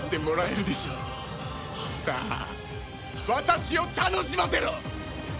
さあ私を楽しませろ！